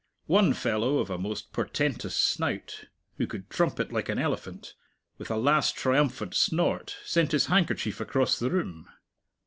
One fellow, of a most portentous snout, who could trumpet like an elephant, with a last triumphant snort sent his handkerchief across the room.